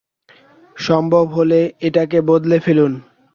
সম্ভব হলে এটাকে বদলে ফেলুন।